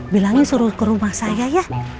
bilangnya suruh ke rumah saya ya